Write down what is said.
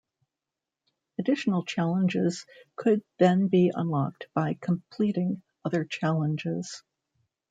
Additional challenges could then by unlocked by completing other challenges.